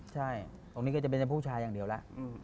ใช่ตรงนี้ก็จะเป็นผู้ชายอย่างเดียวแล้ว